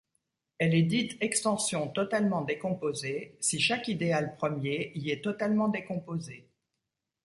Elle est dite extension totalement décomposée si chaque idéal premier y est totalement décomposé.